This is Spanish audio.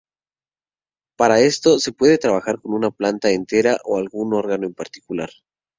Para esto se puede trabajar con la planta entera o algún órgano en particular.